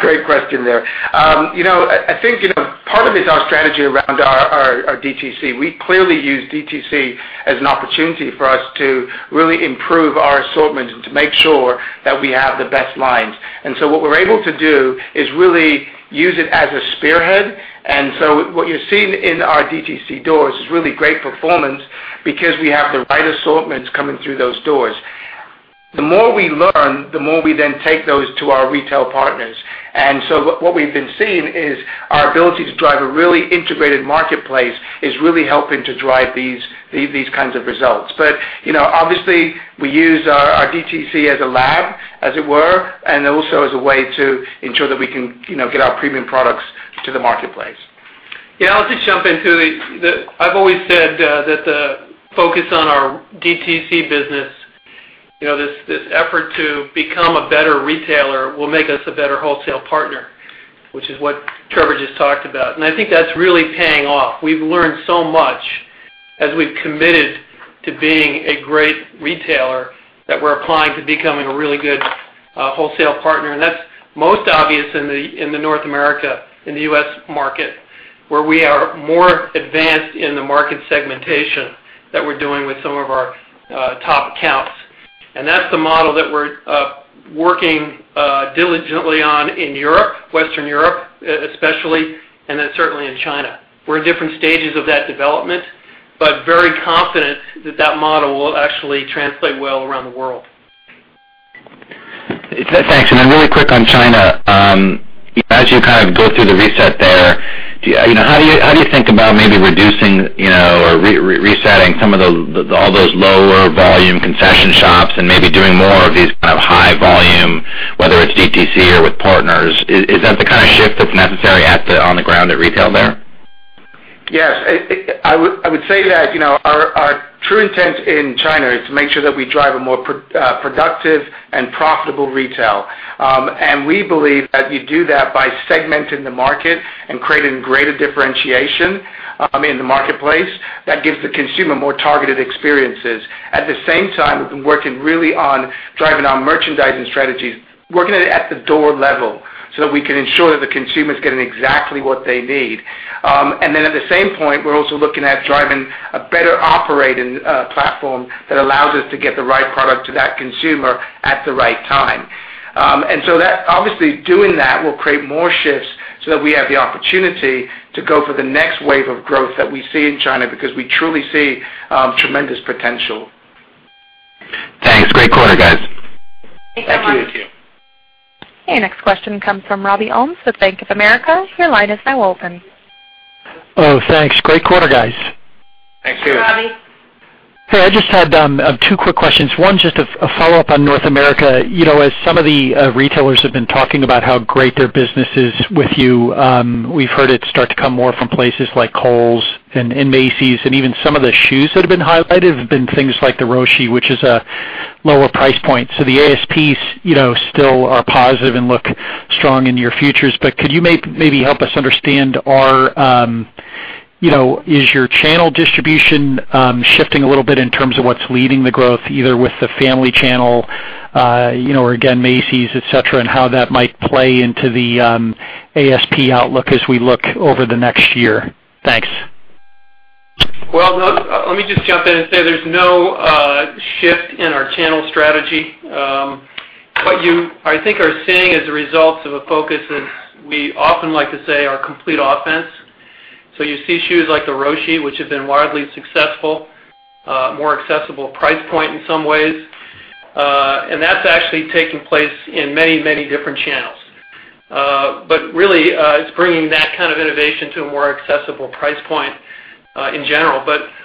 Great question there. I think, part of it is our strategy around our DTC. We clearly use DTC as an opportunity for us to really improve our assortment and to make sure that we have the best lines. What we're able to do is really use it as a spearhead. What you're seeing in our DTC doors is really great performance because we have the right assortments coming through those doors. The more we learn, the more we then take those to our retail partners. What we've been seeing is our ability to drive a really integrated marketplace is really helping to drive these kinds of results. Obviously, we use our DTC as a lab, as it were, and also as a way to ensure that we can get our premium products to the marketplace. Yeah, I'll just jump in too. I've always said that the focus on our DTC business, this effort to become a better retailer, will make us a better wholesale partner, which is what Trevor just talked about. I think that's really paying off. We've learned so much as we've committed to being a great retailer that we're applying to becoming a really good wholesale partner. That's most obvious in the North America, in the U.S. market, where we are more advanced in the market segmentation that we're doing with some of our top accounts. That's the model that we're working diligently on in Europe, Western Europe especially, and then certainly in China. We're in different stages of that development, but very confident that that model will actually translate well around the world. Thanks. Really quick on China. As you go through the reset there, how do you think about maybe reducing or resetting all those lower volume concession shops and maybe doing more of these high volume, whether it's DTC or with partners? Is that the kind of shift that's necessary on the ground at retail there? Yes. I would say that our true intent in China is to make sure that we drive a more productive and profitable retail. We believe that you do that by segmenting the market and creating greater differentiation in the marketplace that gives the consumer more targeted experiences. At the same time, we've been working really on driving our merchandising strategies, working at the door level, so that we can ensure that the consumer's getting exactly what they need. At the same point, we're also looking at driving a better operating platform that allows us to get the right product to that consumer at the right time. Obviously, doing that will create more shifts so that we have the opportunity to go for the next wave of growth that we see in China, because we truly see tremendous potential. Thanks. Great quarter, guys. Thanks, Omar. Thank you. You too. Your next question comes from Robert Ohmes with Bank of America. Your line is now open. Oh, thanks. Great quarter, guys. Thanks, Robbie. Thanks, Robbie. Hey, I just had two quick questions. One, just a follow-up on North America. As some of the retailers have been talking about how great their business is with you, we've heard it start to come more from places like Kohl's and Macy's, and even some of the shoes that have been highlighted have been things like the Roshe, which is a lower price point. The ASPs still are positive and look strong in your futures. Could you maybe help us understand, is your channel distribution shifting a little bit in terms of what's leading the growth, either with the Family Channel, or again, Macy's, et cetera, and how that might play into the ASP outlook as we look over the next year? Thanks. Let me just jump in and say there's no shift in our channel strategy. What you, I think, are seeing as a result of a focus that we often like to say our complete offense. You see shoes like the Roshe, which have been wildly successful, more accessible price point in some ways. That's actually taking place in many, many different channels. Really, it's bringing that kind of innovation to a more accessible price point in general.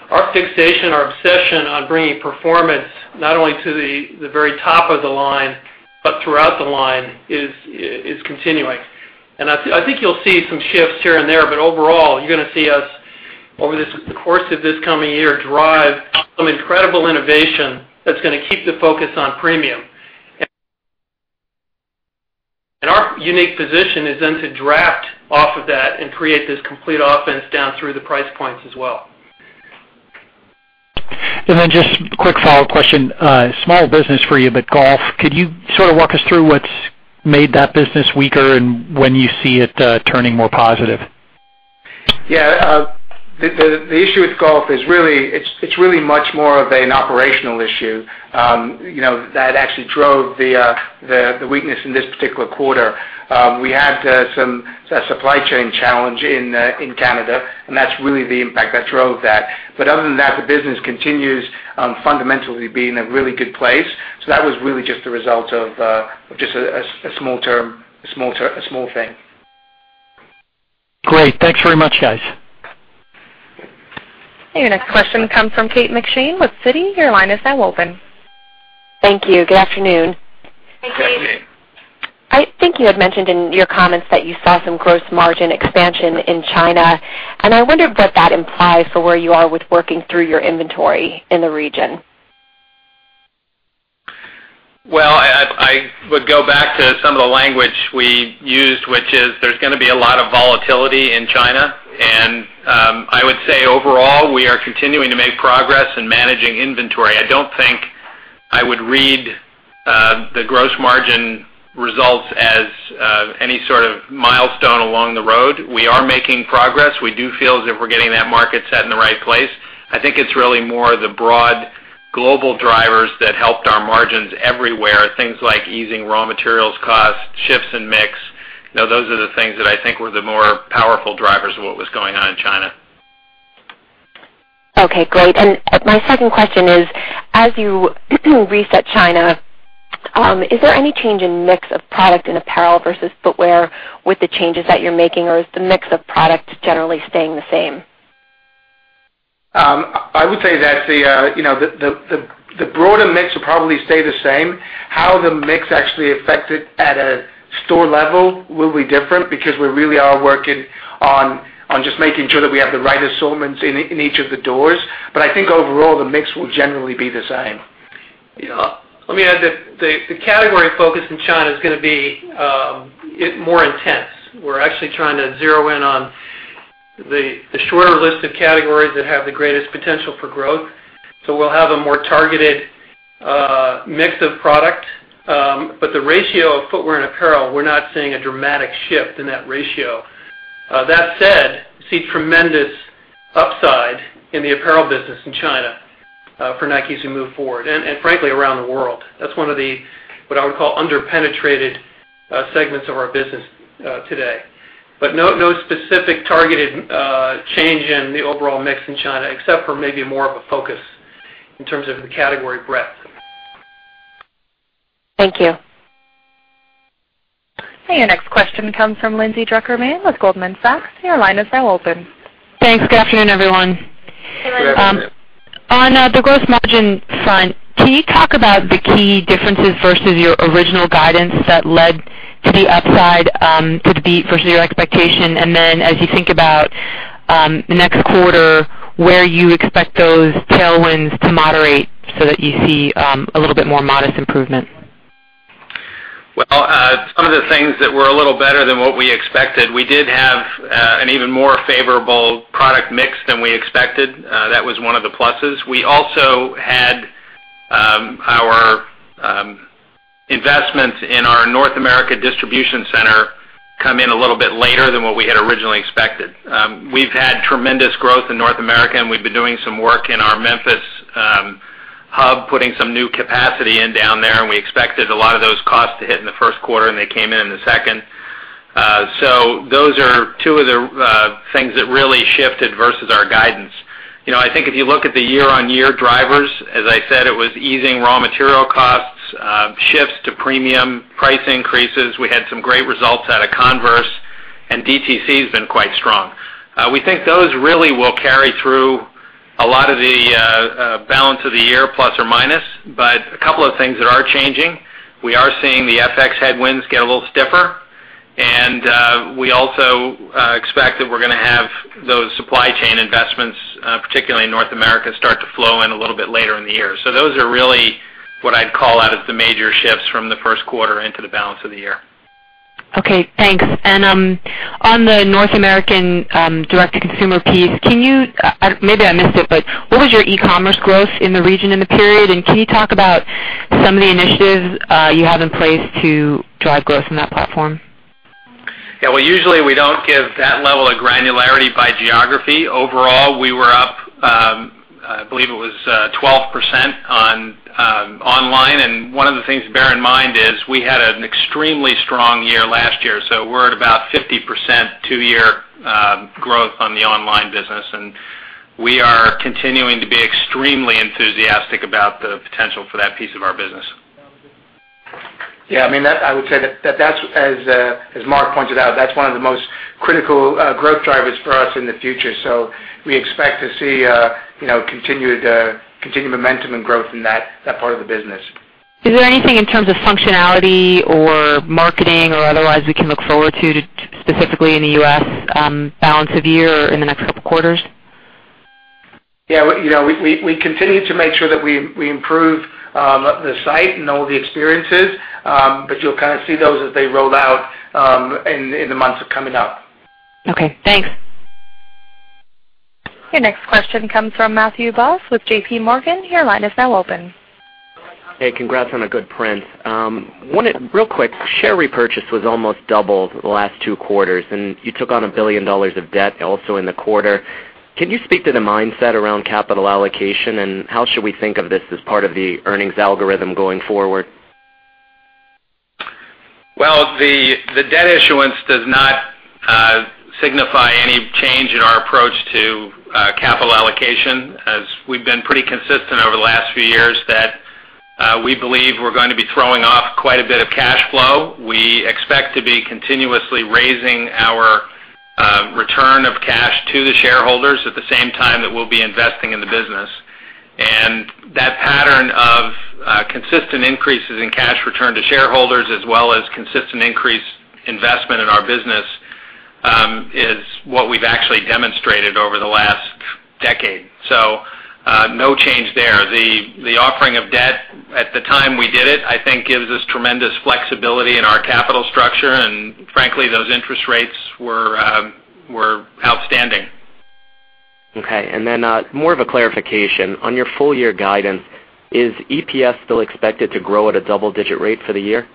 Our fixation, our obsession on bringing performance not only to the very top of the line, but throughout the line, is continuing. I think you'll see some shifts here and there, but overall, you're going to see us, over the course of this coming year, drive some incredible innovation that's going to keep the focus on premium. Our unique position is then to draft off of that and create this complete offense down through the price points as well. Just a quick follow-up question. Small business for you, but Golf. Could you sort of walk us through what's made that business weaker and when you see it turning more positive? Yeah. The issue with Golf is really much more of an operational issue that actually drove the weakness in this particular quarter. We had some supply chain challenge in Canada, and that's really the impact that drove that. Other than that, the business continues fundamentally to be in a really good place. That was really just a result of just a small thing. Great. Thanks very much, guys. Your next question comes from Kate McShane with Citi. Your line is now open. Thank you. Good afternoon. Hey, Kate. Hey. I think you had mentioned in your comments that you saw some gross margin expansion in China, and I wonder what that implies for where you are with working through your inventory in the region. Well, I would go back to some of the language we used, which is there's going to be a lot of volatility in China. I would say overall, we are continuing to make progress in managing inventory. I don't think I would read the gross margin results as any sort of milestone along the road. We are making progress. We do feel as if we're getting that market set in the right place. I think it's really more of the broad global drivers that helped our margins everywhere, things like easing raw materials costs, shifts in mix. Those are the things that I think were the more powerful drivers of what was going on in China. Okay, great. My second question is, as you reset China, is there any change in mix of product and apparel versus footwear with the changes that you're making, or is the mix of product generally staying the same? I would say that the broader mix will probably stay the same. How the mix actually affected at a store level will be different because we really are working on just making sure that we have the right assortments in each of the doors. I think overall, the mix will generally be the same. Let me add that the category focus in China is going to be more intense. We're actually trying to zero in on the shorter list of categories that have the greatest potential for growth. We'll have a more targeted mix of product. The ratio of footwear and apparel, we're not seeing a dramatic shift in that ratio. That said, we see tremendous upside in the apparel business in China, for Nike as we move forward and frankly, around the world. That's one of the, what I would call under-penetrated, segments of our business, today. No specific targeted change in the overall mix in China except for maybe more of a focus in terms of the category breadth. Thank you. Your next question comes from Lindsay Drucker Mann with Goldman Sachs. Your line is now open. Thanks. Good afternoon, everyone. Good afternoon. On the gross margin front, can you talk about the key differences versus your original guidance that led to the upside, to the beat versus your expectation? As you think about the next quarter, where you expect those tailwinds to moderate so that you see a little bit more modest improvement? Well, some of the things that were a little better than what we expected, we did have an even more favorable product mix than we expected. That was one of the pluses. We also had our investments in our North America distribution center come in a little bit later than what we had originally expected. We’ve had tremendous growth in North America, and we’ve been doing some work in our Memphis hub, putting some new capacity in down there, and we expected a lot of those costs to hit in the first quarter, and they came in in the second. Those are two of the things that really shifted versus our guidance. I think if you look at the year-on-year drivers, as I said, it was easing raw material costs, shifts to premium price increases. We had some great results out of Converse, DTC has been quite strong. We think those really will carry through a lot of the balance of the year, plus or minus. A couple of things that are changing, we are seeing the FX headwinds get a little stiffer, and we also expect that we’re going to have those supply chain investments, particularly in North America, start to flow in a little bit later in the year. Those are really what I’d call out as the major shifts from the first quarter into the balance of the year. Okay, thanks. On the North American direct-to-consumer piece, maybe I missed it, but what was your e-commerce growth in the region in the period? Can you talk about some of the initiatives you have in place to drive growth in that platform? Yeah. Well, usually we don’t give that level of granularity by geography. Overall, we were up, I believe it was 12% on online. One of the things to bear in mind is we had an extremely strong year last year. We’re at about 50% two-year growth on the online business, and we are continuing to be extremely enthusiastic about the potential for that piece of our business. Yeah, I would say that, as Mark pointed out, that’s one of the most critical growth drivers for us in the future. We expect to see continued momentum and growth in that part of the business. Is there anything in terms of functionality or marketing or otherwise we can look forward to specifically in the U.S., balance of the year or in the next couple of quarters? Yeah, we continue to make sure that we improve the site and all the experiences. You’ll kind of see those as they roll out, in the months coming up. Okay, thanks. Your next question comes from Matthew Boss with JPMorgan. Your line is now open. Hey, congrats on a good print. Real quick, share repurchase was almost doubled the last 2 quarters. You took on $1 billion of debt also in the quarter. Can you speak to the mindset around capital allocation, and how should we think of this as part of the earnings algorithm going forward? Well, the debt issuance does not signify any change in our approach to capital allocation, as we’ve been pretty consistent over the last few years that we believe we’re going to be throwing off quite a bit of cash flow. We expect to be continuously raising our return of cash to the shareholders at the same time that we’ll be investing in the business. That pattern of consistent increases in cash return to shareholders as well as consistent increased investment in our business, is what we’ve actually demonstrated over the last decade. No change there. The offering of debt at the time we did it, I think, gives us tremendous flexibility in our capital structure. Frankly, those interest rates were outstanding. Okay. More of a clarification. On your full year guidance, is EPS still expected to grow at a double-digit rate for the year?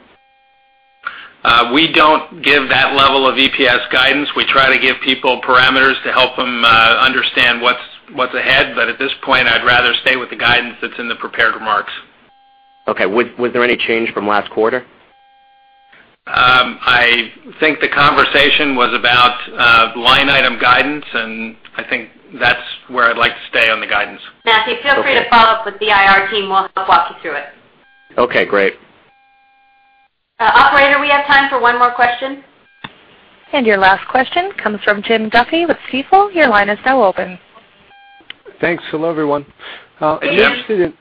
We don't give that level of EPS guidance. We try to give people parameters to help them understand what's ahead. At this point, I'd rather stay with the guidance that's in the prepared remarks. Okay. Was there any change from last quarter? I think the conversation was about line item guidance, and I think that's where I'd like to stay on the guidance. Matthew, feel free to follow up with the IR team. We'll help walk you through it. Okay, great. Operator, we have time for one more question. Your last question comes from Jim Duffy with Stifel. Your line is now open. Thanks. Hello, everyone. Hey, Jim.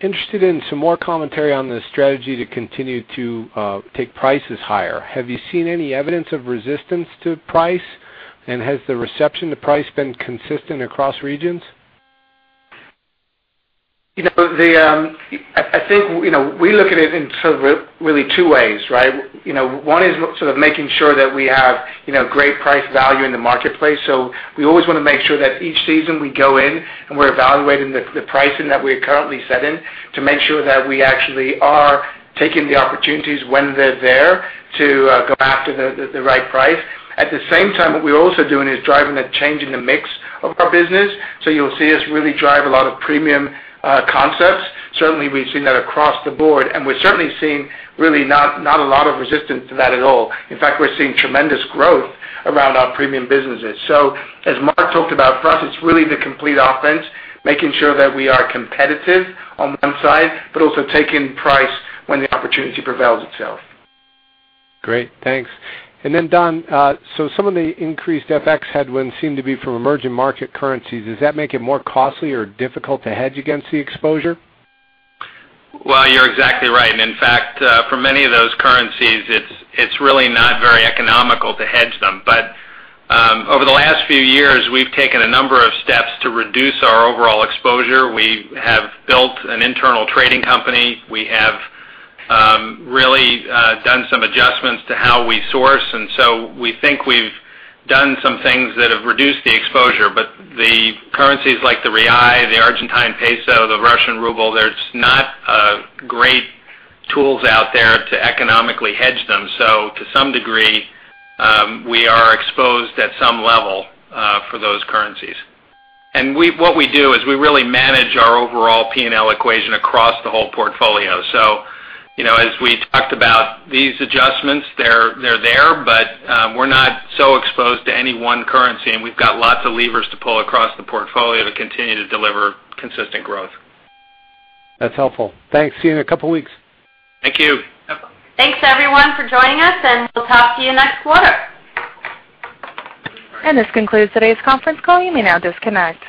Interested in some more commentary on the strategy to continue to take prices higher. Have you seen any evidence of resistance to price? Has the reception to price been consistent across regions? I think we look at it in sort of really two ways, right? One is sort of making sure that we have great price value in the marketplace. We always want to make sure that each season we go in and we're evaluating the pricing that we are currently set in to make sure that we actually are taking the opportunities when they're there to go after the right price. At the same time, what we're also doing is driving a change in the mix of our business. You'll see us really drive a lot of premium concepts. Certainly, we've seen that across the board, and we're certainly seeing really not a lot of resistance to that at all. In fact, we're seeing tremendous growth around our premium businesses. As Mark talked about, for us, it's really the complete offense, making sure that we are competitive on one side, but also taking price when the opportunity prevails itself. Great. Thanks. Don, some of the increased FX headwinds seem to be from emerging market currencies. Does that make it more costly or difficult to hedge against the exposure? Well, you're exactly right. In fact, for many of those currencies, it's really not very economical to hedge them. Over the last few years, we've taken a number of steps to reduce our overall exposure. We have built an internal trading company. We have really done some adjustments to how we source, we think we've done some things that have reduced the exposure. The currencies like the Real, the Argentine peso, the Russian ruble, there's not great tools out there to economically hedge them. To some degree, we are exposed at some level for those currencies. What we do is we really manage our overall P&L equation across the whole portfolio. As we talked about these adjustments, they're there, we're not so exposed to any one currency, we've got lots of levers to pull across the portfolio to continue to deliver consistent growth. That's helpful. Thanks. See you in a couple of weeks. Thank you. No problem. Thanks, everyone, for joining us, and we'll talk to you next quarter. This concludes today's conference call. You may now disconnect.